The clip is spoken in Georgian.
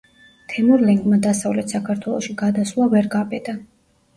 თემურლენგმა დასავლეთ საქართველოში გადასვლა ვერ გაბედა.